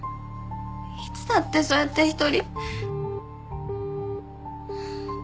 いつだってそうやって一人。